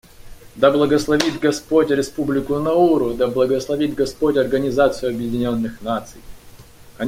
Да благословит Господь Республику Науру, да благословит Господь Организацию Объединенных Наций!